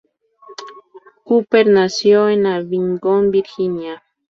Cooper nació en Abingdon, Virginia.